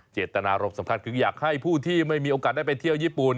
เจตนารมสำคัญคืออยากให้ผู้ที่ไม่มีโอกาสได้ไปเที่ยวญี่ปุ่น